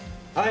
はい。